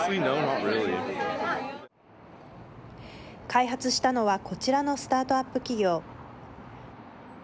開発したのはこちらのスタートアップ企業。